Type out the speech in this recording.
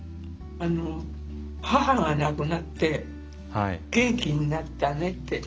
母が亡くなって元気になったねって。